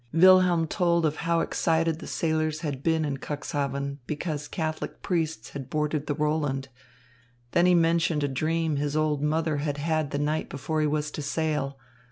Wilhelm told of how excited the sailors had been in Cuxhaven because Catholic priests had boarded the Roland. Then he mentioned a dream his old mother had had the night before he was to sail.